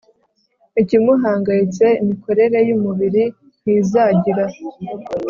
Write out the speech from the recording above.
ikimuhangayitse imikorere yumubiri ntizagira